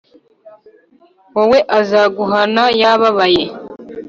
wowe azaguhana yababaye